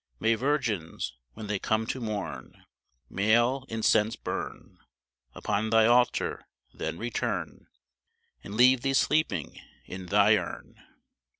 May virgins, when they come to mourn Male incense burn Upon thine altar! then return And leave thee sleeping in thy urn.